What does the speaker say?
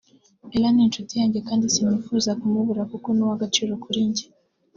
Ellah ni inshuti yanjye kandi sinifuza kumubura kuko ni uw’agaciro kuri njye